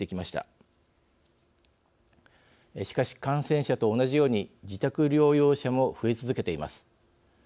しかし、感染者と同じように自宅療養者も増え続けています。